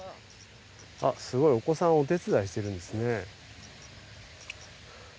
すごいお子さんお手伝いしてるんですね。